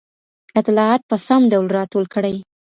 اطلاعات په سم ډول راټول کړئ.